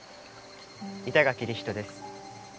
板垣李光人です。